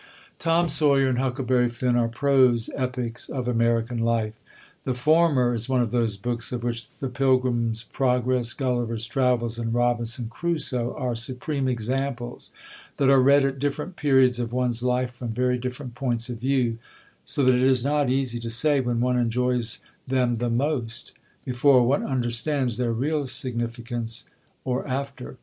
Tom Sawyer and Huckleberry Finn are prose epics of American life. The former is one of those books of which The Pilgrim's Progress, Gulliver's Travels, and Robinson Crusoe are supreme examples that are read at different periods of one's life from very different points of view; so that it is not easy to say when one enjoys them the most before one understands their real significance or after.